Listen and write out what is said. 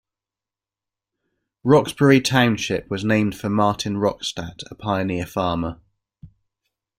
Rocksbury Township was named for Martin Rockstad, a pioneer farmer.